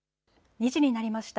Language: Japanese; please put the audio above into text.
２時になりました。